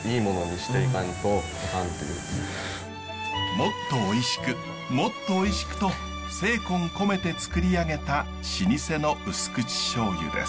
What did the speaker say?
もっとおいしくもっとおいしくと精魂込めてつくりあげた老舗の薄口しょうゆです。